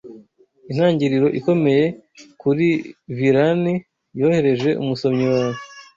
Intangiriro ikomeye kuri vilani yohereje umusomyi wawe